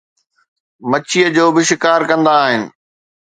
مڇيءَ جو به شڪار ڪندا آهن